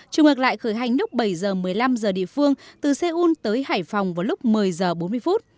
chủ ngược lại khởi hành lúc bảy h một mươi năm giờ địa phương từ seoul tới hải phòng vào lúc một mươi h bốn mươi